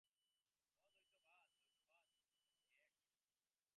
অদ্বৈতবাদ ও দ্বৈতবাদ মুখ্যত এক।